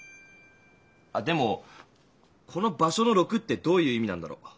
でもこの場所の「６」ってどういう意味なんだろう？